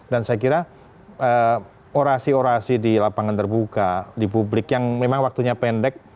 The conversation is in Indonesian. saya kira orasi orasi di lapangan terbuka di publik yang memang waktunya pendek